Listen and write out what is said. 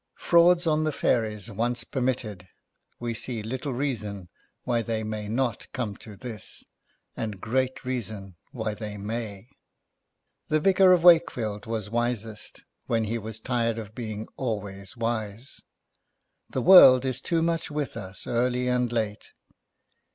Frauds on the Fairies once permitted, we see little reason why they may not come to this, and great reason why they may. The Vicar of Wakefield was wisest when he was tired of being always wise. The world is too much with us, early and late.